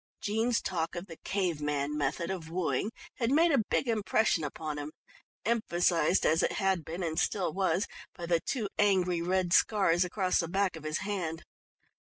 Jean's talk of the cave man method of wooing had made a big impression upon him, emphasised as it had been, and still was, by the two angry red scars across the back of his hand.